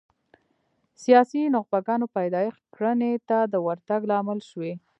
سیاسي نخبګانو پیدایښت کرنې ته د ورتګ لامل شوي